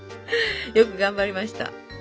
よく頑張りました。